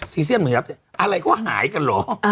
เซียม๑ยับอะไรก็หายกันเหรอ